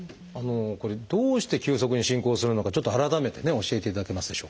これどうして急速に進行するのかちょっと改めてね教えていただけますでしょうか？